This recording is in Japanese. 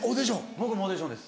僕もオーディションです。